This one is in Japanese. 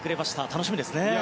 楽しみですね。